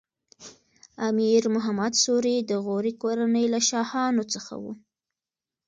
امیر محمد سوري د غوري کورنۍ له شاهانو څخه و.